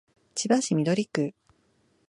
千葉市緑区